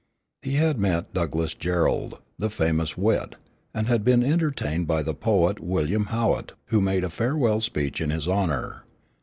He had met Douglas Jerrold, the famous wit, and had been entertained by the poet William Howitt, who made a farewell speech in his honor.